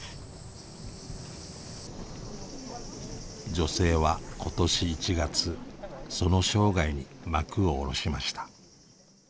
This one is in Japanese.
女性は今年１月その生涯に幕を下ろしました。